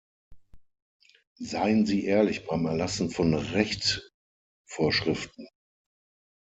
Seien Sie ehrlich beim Erlassen von Rechtvorschriften.